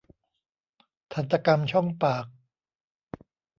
ทันตกรรมช่องปาก